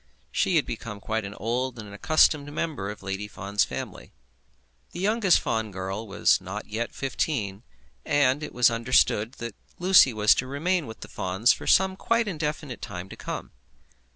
She had become quite an old and an accustomed member of Lady Fawn's family. The youngest Fawn girl was not yet fifteen, and it was understood that Lucy was to remain with the Fawns for some quite indefinite time to come.